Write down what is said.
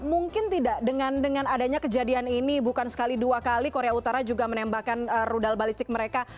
mungkin tidak dengan adanya kejadian ini bukan sekali dua kali korea utara juga menembakkan rudal balistik mereka